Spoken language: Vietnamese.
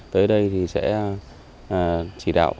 tới đây sẽ chỉ đạo